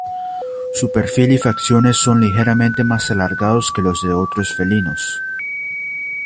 Su perfil y facciones son ligeramente más alargados que los de otros felinos.